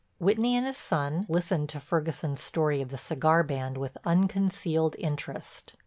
Whitney and his son listened to Ferguson's story of the cigar band with unconcealed interest.